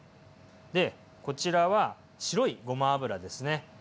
でこちらは白いごま油ですね。